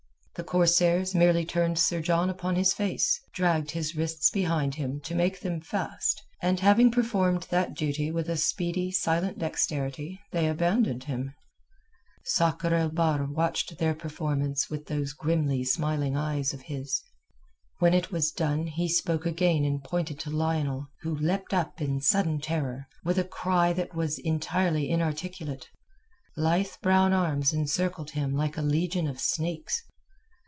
The corsairs merely turned Sir John upon his face, dragged his wrists behind him to make them fast, and having performed that duty with a speedy, silent dexterity they abandoned him. Sakr el Bahr watched their performance with those grimly smiling eyes of his. When it was done he spoke again and pointed to Lionel, who leapt up in sudden terror, with a cry that was entirely inarticulate. Lithe brown arms encircled him like a legion of snakes.